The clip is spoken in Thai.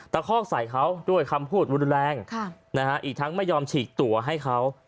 คอกใส่เขาด้วยคำพูดรุนแรงอีกทั้งไม่ยอมฉีกตัวให้เขา